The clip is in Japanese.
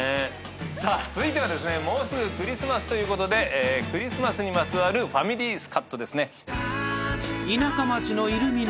続いてはもうすぐクリスマスということでクリスマスにまつわるファミリースカッとですね。